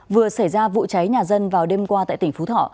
vừa xảy ra vụ cháy nhà dân vào đêm qua tại tỉnh phú thọ